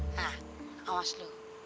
hah awas lu